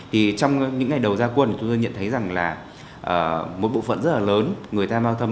thì trong những ngày đầu gia quân thì tôi nhận thấy rằng là một bộ phận rất là lớn người tham gia giao thông